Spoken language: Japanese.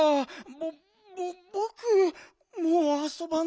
ぼぼぼくもうあそばない。